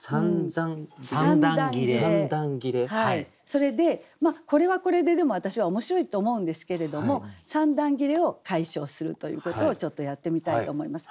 それでこれはこれででも私は面白いと思うんですけれども三段切れを解消するということをちょっとやってみたいと思います。